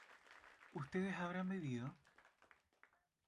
¿ustedes habrán bebido?